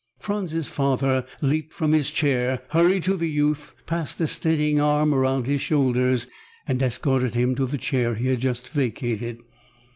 Franz's father leaped from his chair, hurried to the youth, passed a steadying arm around his shoulders and escorted him to the chair he had just vacated.